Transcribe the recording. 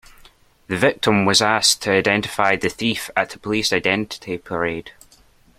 The victim was asked to identify the thief at a police identity parade